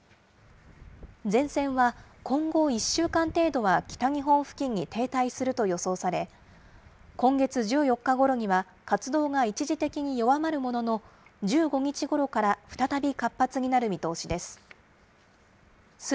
前線は今後１週間程度は、北日本付近に停滞すると予想され、今月１４日ごろには活動が一時的に弱まるものの、１５日ごろから再び活発になる見通しです。